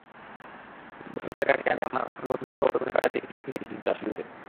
বছর দেড়েক আগে আমি আমার আফগান বন্ধু-সহকর্মীর বাড়িতে গিয়ে থেকেছি—মাজারে শরিফে।